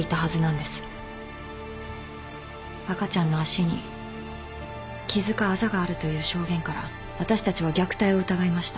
赤ちゃんの脚に傷かあざがあるという証言から私たちは虐待を疑いました。